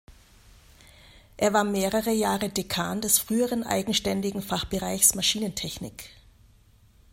Er war mehrere Jahre Dekan des früheren eigenständigen Fachbereichs Maschinentechnik.